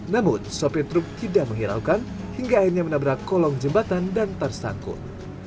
namun sopir truk tidak menghiraukan hingga akhirnya menabrak kolong jembatan dan tersangkut